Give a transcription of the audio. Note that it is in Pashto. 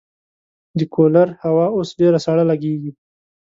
د کولر هوا اوس ډېره سړه لګېږي.